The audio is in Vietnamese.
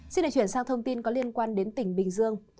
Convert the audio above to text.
xin được chuyển sang thông tin có liên quan đến tỉnh bình dương